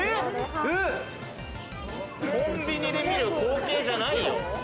コンビニで見る光景じゃないよ！